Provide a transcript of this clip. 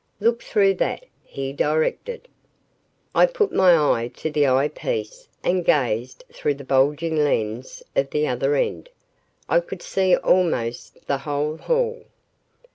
"Look through that," he directed. I put my eye to the eye piece and gazed through the bulging lens of the other end. I could see almost the whole hall.